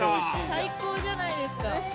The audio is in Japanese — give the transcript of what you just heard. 最高じゃないですか。